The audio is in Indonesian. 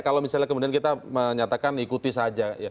kalau misalnya kemudian kita menyatakan ikuti saja ya